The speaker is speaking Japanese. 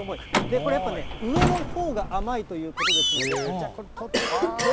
これやっぱりね、上のほうが甘いということですので、これ、取って。